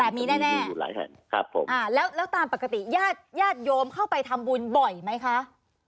แต่มีแน่ครับผมแล้วตามปกติญาติโยมเข้าไปทำบุญบ่อยไหมคะ